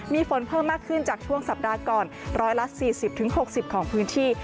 มีฝนเพิ่มมากขึ้นจากช่วงสัปดาห์ก่อน๑๔๐๖๐ของพื้นที่